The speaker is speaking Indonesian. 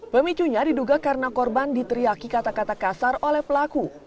pemicunya diduga karena korban diteriaki kata kata kasar oleh pelaku